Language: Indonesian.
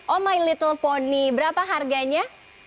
oh my little pony berapa harganya